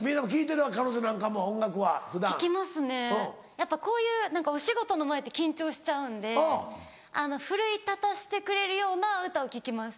やっぱこういうお仕事の前って緊張しちゃうんで奮い立たせてくれるような歌を聴きます。